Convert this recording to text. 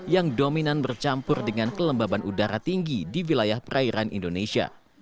yang dominan bercampur dengan kelembaban udara tinggi di wilayah perairan indonesia